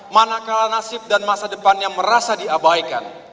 manakala nasib dan masa depannya merasa diabaikan